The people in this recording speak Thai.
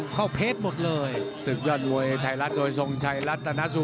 ครับครับครับครับครับครับครับครับครับครับ